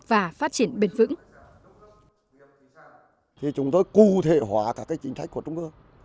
và phát triển bền vững